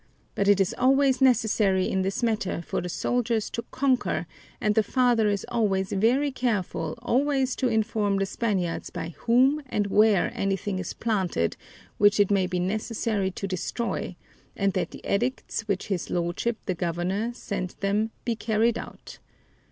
But it is always necessary in this matter for the soldiers to conquer, and the father is always very careful always to inform the Spaniards by whom and where anything is planted which it may be necessary to destroy, and that the edicts which his Lordship, the governor, sent them be carried out